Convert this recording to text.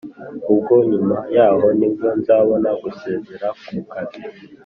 Ubwo nyuma yaho nibwo nzabona gusezera ku kazi